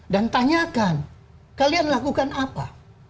dan tanyakan kalian lakukan apa